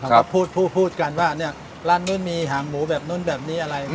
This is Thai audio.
เขาก็พูดพูดกันว่าเนี่ยร้านนู้นมีหางหมูแบบนู้นแบบนี้อะไร